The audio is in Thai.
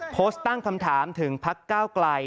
โพสต์ตั้งคำถามถึงพักก้าวไกล